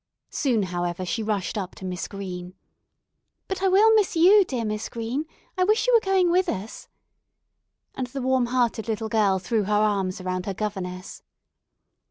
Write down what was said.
Soon, however, she rushed up to Miss Green. "But I will miss you, dear Miss Green. I wish you were going with us," and the warm hearted little girl threw her arms around her governess.